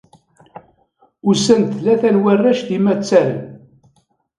Usan-d tlata n warrac d imattaren.